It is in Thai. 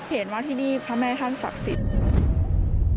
เห็นว่าที่นี่พระแม่ท่านศักดิ์สิทธิ์